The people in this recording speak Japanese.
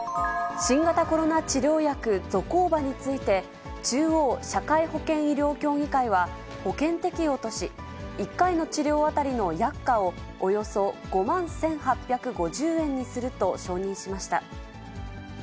新型コロナ治療薬、ゾコーバについて、中央社会保険医療協議会は、保険適用とし、１回の治療当たりの薬価をおよそ５万１８５０円にすると承認しました。